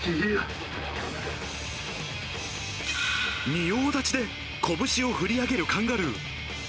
仁王立ちで、拳を振り上げるカンガルー。